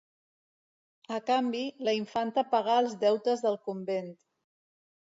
A canvi, la infanta pagà els deutes del convent.